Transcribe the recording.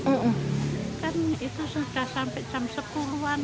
kan itu sudah sampai jam sepuluh an